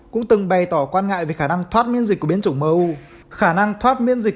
cũng từng bày tỏ quan ngại về khả năng thoát miễn dịch của biến chủng mu khả năng thoát miễn dịch